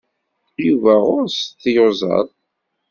Yuba ɣur-s tiyuzaḍ.